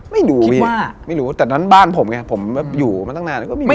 ไม่รู้พี่แต่นั้นบ้านผมไงผมอยู่มาตั้งนานก็ไม่มีอะไร